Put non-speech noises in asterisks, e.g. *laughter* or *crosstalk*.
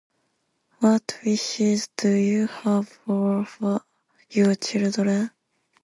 What wishes do you have for *unintelligible* your children?